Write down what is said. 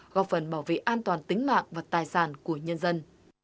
góp phần bảo vệ an toàn tính mạng và tài sản của nhân dân